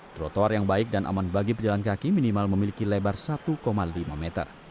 trotoar yang baik dan aman bagi pejalan kaki minimal memiliki lebar satu lima meter